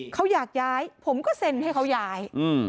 เขาอยากย้ายผมก็เซ็นให้เขาย้าย